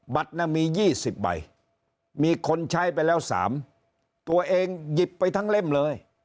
มี๒๐ใบมีคนใช้ไปแล้ว๓ตัวเองหยิบไปทั้งเล่มเลย